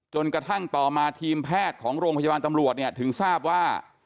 จนกระทั่งต่อมาทีมแพทย์ของโรงพยาบาลตำรวจเนี่ยถึงทราบว่า